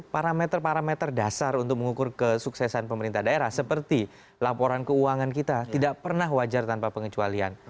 parameter parameter dasar untuk mengukur kesuksesan pemerintah daerah seperti laporan keuangan kita tidak pernah wajar tanpa pengecualian